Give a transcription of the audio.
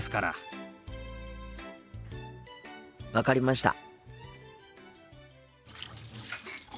分かりました。